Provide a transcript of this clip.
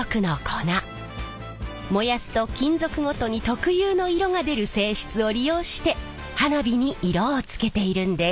燃やすと金属ごとに特有の色が出る性質を利用して花火に色をつけているんです。